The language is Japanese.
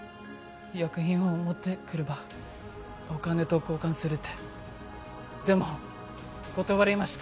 薬品を持ってくればお金と交換するってでも断りました